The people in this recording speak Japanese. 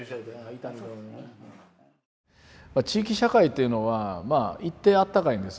地域社会というのはまあ一定あったかいんです。